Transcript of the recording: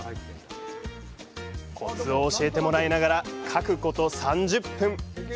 コツを教えてもらいながら描くこと３０分。